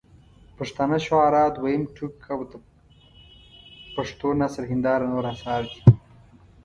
پښتانه شعراء دویم ټوک او د پښټو نثر هنداره نور اثار دي.